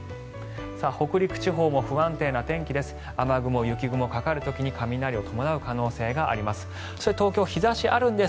北陸地方も不安定な天気です。